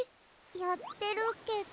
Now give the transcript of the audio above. やってるけど。